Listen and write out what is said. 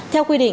theo quy định